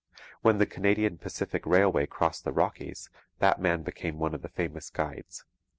When the Canadian Pacific Railway crossed the Rockies, that man became one of the famous guides.